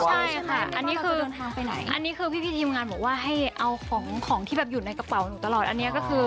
ใช่ค่ะอันนี้คือพี่พี่ทีมงานบอกว่าให้เอาของที่อยู่ในกระเป๋าหนูตลอดอันนี้ก็คือ